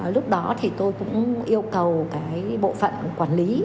lúc đó tôi cũng yêu cầu bộ phận quản lý